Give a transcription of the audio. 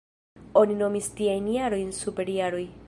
Oni nomis tiajn jarojn superjaroj.